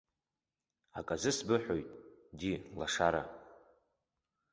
Аказы сбыҳәоит, ди лашара.